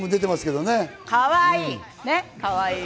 かわいい。